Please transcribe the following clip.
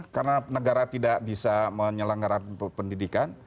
karena negara tidak bisa menyelenggarakan pendidikan